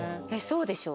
そうでしょ。